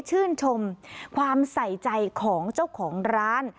ชื่นชมความใส่ใจของเจ้าของร้าน